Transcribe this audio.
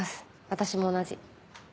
私も同じ。